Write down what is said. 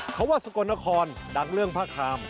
เขาว่าสกลนครดังเรื่องผ้าคาม